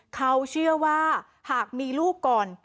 เขาเชื่อว่าหากมีลูกก่อน